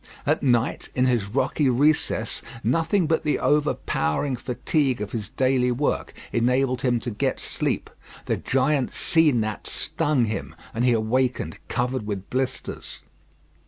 At night, in his rocky recess, nothing but the overpowering fatigue of his daily work enabled him to get sleep. The great sea gnats stung him, and he awakened covered with blisters.